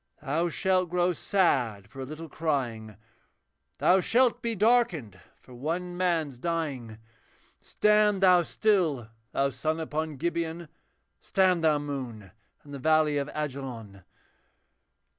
Thou shalt grow sad for a little crying, Thou shalt be darkened for one man's dying Stand thou still, thou sun upon Gibeon, Stand thou, moon, in the valley of Ajalon!'